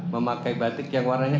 memakai batik yang warnanya